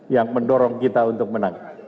yang mendorong kita untuk menang